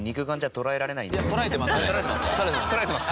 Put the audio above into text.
捉えてます。